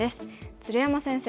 鶴山先生